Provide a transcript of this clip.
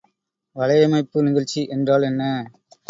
வலையமைப்பு நிகழ்ச்சி என்றால் என்ன?